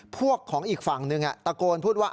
พวกของอีกฝั่งหนึ่งตะโกนพูดว่า